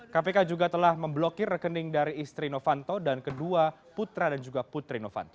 kpk juga telah memblokir rekening dari istri novanto dan kedua putra dan juga putri novanto